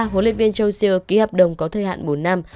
huấn luyện viên jussier ký hợp đồng có thời hạn bốn năm